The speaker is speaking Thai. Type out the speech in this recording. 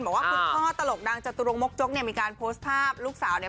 บอกว่าคุณพ่อตลกดังจตุรงมกจกเนี่ยมีการโพสต์ภาพลูกสาวเนี่ย